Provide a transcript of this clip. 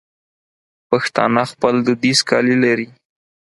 پښتانه خپل دودیز کالي لري.